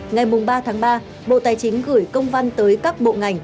ngày ba tháng ba bộ tài chính gửi công văn tới các bộ ngành